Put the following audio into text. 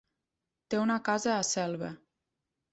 Té una casa a Selva.